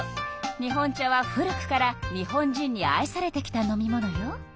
日本茶は古くから日本人に愛されてきた飲み物よ。